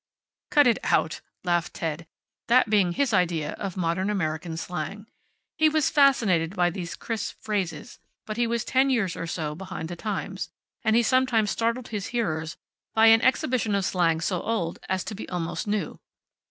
"Cut it out!" laughed Ted, that being his idea of modern American slang. He was fascinated by these crisp phrases, but he was ten years or so behind the times, and he sometimes startled his hearers by an exhibition of slang so old as to be almost new.